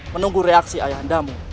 menunggu reaksi ayah anda